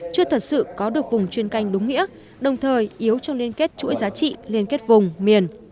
chưa thật sự có được vùng chuyên canh đúng nghĩa đồng thời yếu trong liên kết chuỗi giá trị liên kết vùng miền